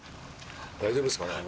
大丈夫っすかね？